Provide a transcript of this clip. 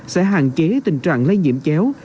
sẽ hạn chế tình trạng lây nhiễm chéo